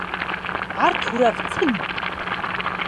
Это был Туровцын.